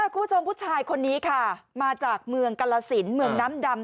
คุณผู้ชมผู้ชายคนนี้ค่ะมาจากเมืองกรสินเมืองน้ำดำ